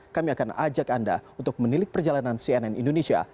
kami akan ajak anda untuk menilik perjalanan cnn indonesia